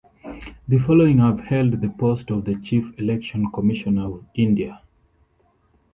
The following have held the post of the Chief Election Commissioner of India.